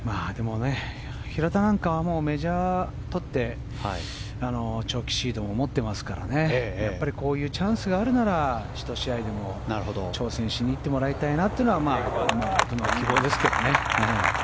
平田はメジャーとって長期シードも持っていますからこういうチャンスがあるなら１試合でも挑戦しに行ってもらいたいなというのが僕の希望ですけどね。